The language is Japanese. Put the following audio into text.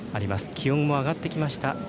気温も上がってきました。